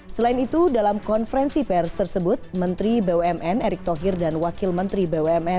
selain itu dalam konferensi pers tersebut menteri bumn erick thohir dan wakil menteri bumn